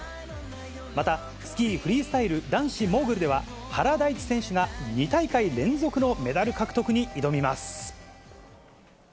また、スキーフリースタイル男子モーグルでは、原大智選手が、２大会連続のメダル獲得に挑みます。